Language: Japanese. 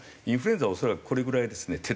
インフルエンザは恐らくこれぐらいですね